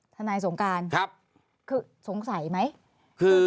ทนายสงการคือสงสัยไหม